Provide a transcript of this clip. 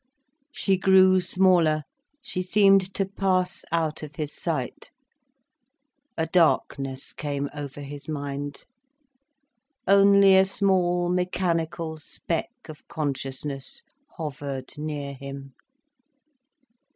She grew smaller, she seemed to pass out of his sight. A darkness came over his mind. Only a small, mechanical speck of consciousness hovered near him.